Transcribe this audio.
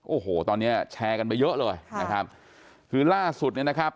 โอ้โหตอนเนี้ยแชร์กันไปเยอะเลยนะครับคือล่าสุดเนี่ยนะครับ